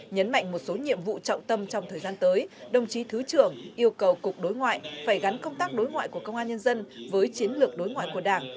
nhấn mạnh một số nhiệm vụ trọng tâm trong thời gian tới đồng chí thứ trưởng yêu cầu cục đối ngoại phải gắn công tác đối ngoại của công an nhân dân với chiến lược đối ngoại của đảng